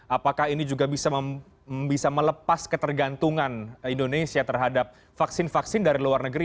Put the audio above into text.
apakah ini juga bisa melepas ketergantungan indonesia terhadap vaksin vaksin dari luar negeri